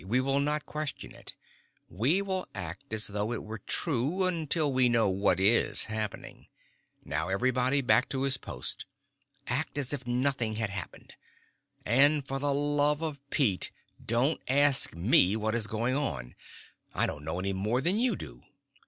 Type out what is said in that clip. We will not question it. We will act as though it were true, until we know what is happening. Now everybody back to his post. Act as if nothing had happened. And for the love of Pete, don't ask me what is going on. I don't know any more than you do."